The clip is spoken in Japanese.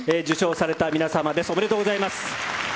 受賞された皆さまです。おめでとうございます。